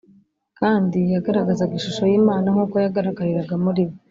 kandi yagaragazaga ishusho y’Imana nk’uko yagaragariraga muri We